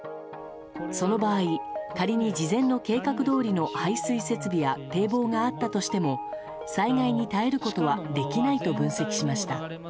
その場合、仮に事前の計画どおりの排水設備や堤防があったとしても災害に耐えることはできないと分析しました。